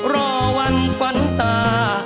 รอวันฝันตา